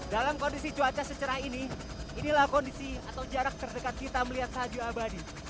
dalam kondisi cuaca secerah ini inilah kondisi atau jarak terdekat kita melihat salju abadi